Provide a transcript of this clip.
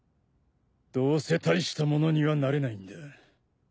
どうせ大したものにはなれないんだ。